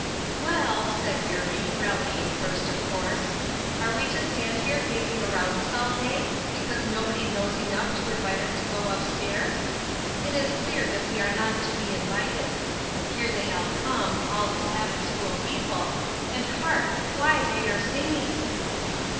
"Well," said Eurie, rallying first, of course, "are we to stand here gazing around us all day, because nobody knows enough to invite us to go up stairs? It is clear that we are not to be invited. They are all come all the Sabbath school people; and, hark! why, they are singing."